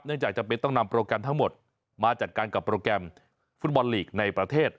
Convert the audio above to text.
จากจำเป็นต้องนำโปรแกรมทั้งหมดมาจัดการกับโปรแกรมฟุตบอลลีกในประเทศ